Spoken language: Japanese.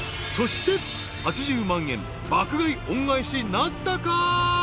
［そして８０万円爆買い恩返しなったか？］